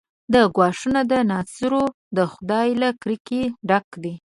دا ګواښونه د ناصرو د خدۍ له کرکې ډک دي.